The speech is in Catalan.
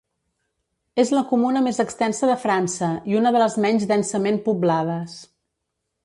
És la comuna més extensa de França, i una de les menys densament poblades.